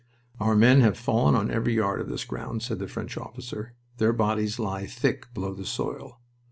"Our men have fallen on every yard of this ground," said the French officer. "Their bodies lie thick below the soil.